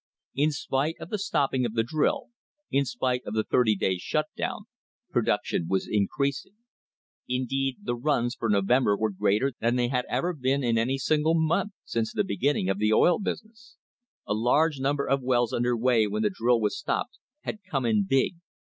In spite of the stopping of the drill, in spite of the thirty days' shut down, production was increasing. Indeed, the runs * for November were greater than they had ever been in any single month since the beginning of the oil busi ness. A large number of wells under way when the drill was stopped had "come in big."